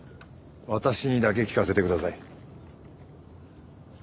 私にだけ聞かせてください。